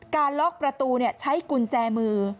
การล็อกประตูใช้กุญแจมือ